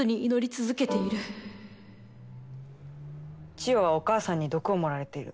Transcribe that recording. チヨはお母さんに毒を盛られている。